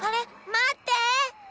まって！